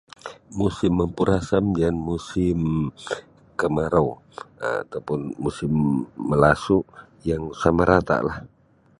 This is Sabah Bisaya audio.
Musim mampurasam jaan musim kamarau um atau pun musim malasu yang sama rata'lah.